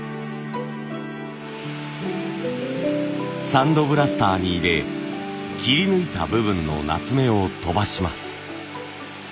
サンドブラスターに入れ切り抜いた部分の夏目を飛ばします。